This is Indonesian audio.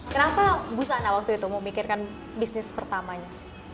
kenapa bu sana waktu itu memikirkan bisnis pertamanya